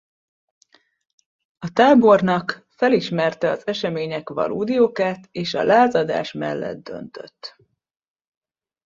A tábornak felismerte az események valódi okát és a lázadás mellett döntött.